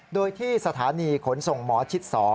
โดยที่สถานีขนส่งหมอชิด๒